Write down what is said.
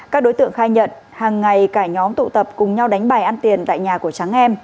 các đối tượng khai nhận hàng ngày cả nhóm tụ tập cùng nhau đánh bài ăn tiền tại nhà của trắng em